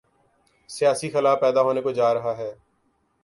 سیاسی خلا پیدا ہونے کو جارہا ہے۔